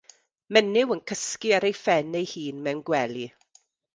Menyw yn cysgu ar ei phen ei hun mewn gwely.